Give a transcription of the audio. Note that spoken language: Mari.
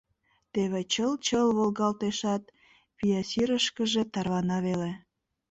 Теве чыл-чыл волгалтешат, Пиясирышкыже тарвана веле.